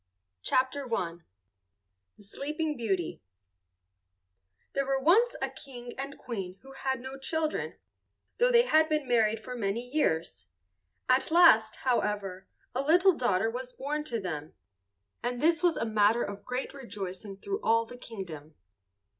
Mother's Nursery Tales THE SLEEPING BEAUTY There were once a King and Queen who had no children, though they had been married for many years. At last, however, a little daughter was born to them, and this was a matter of great rejoicing through all the kingdom.